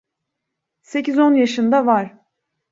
Sekiz on yaşında var!